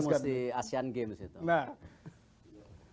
standartnya masih asean games itu